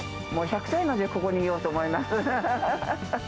もう１００歳までここにいようと思います。